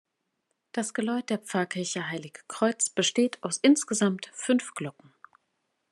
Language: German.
Das Geläut der Pfarrkirche Heilig Kreuz besteht aus insgesamt fünf Glocken.